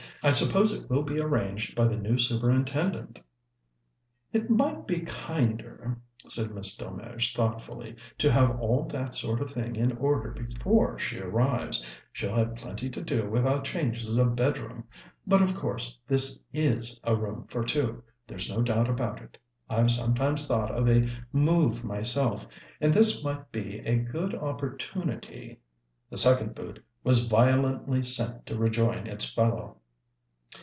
"I suppose it will be arranged by the new Superintendent." "It might be kinder," said Miss Delmege thoughtfully, "to have all that sort of thing in order before she arrives. She'll have plenty to do without changes of bedroom. But of course this is a room for two, there's no doubt about it. I've sometimes thought of a move myself, and this might be a good opportunity " The second boot was violently sent to rejoin its fellow.